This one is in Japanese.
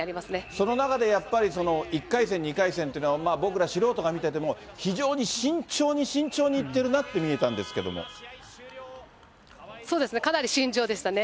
その中でやっぱり、１回戦、２回戦というのは、僕ら素人が見てても、非常に慎重に慎重にいってるなって見えたんそうですね、かなり慎重でしたね。